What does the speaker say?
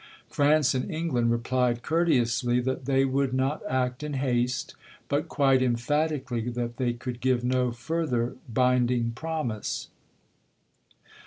France and England replied courteously that they would not act in haste, but quite emphatically that they could give no further binding promise.